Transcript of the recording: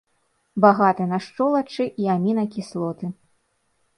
Багаты на шчолачы і амінакіслоты.